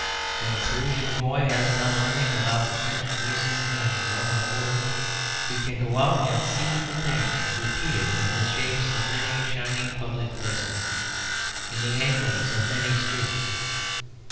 When the Parisian boy has done learning about the French reason and the Roman order he can go out and see the thing repeated in the shapes of many shining public places, in the angles of many streets.